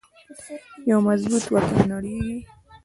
یو مضبوط وطن نړیږي